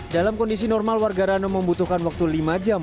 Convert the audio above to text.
dalam kondisi normal warga rano membutuhkan waktu lima jam